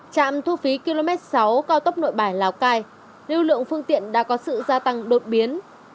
trạm thu phí km sáu cao tốc nội bài lào cai lưu lượng phương tiện đã có sự gia tăng đột biến